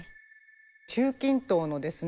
中近東のですね